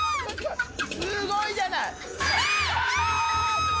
すごいじゃない。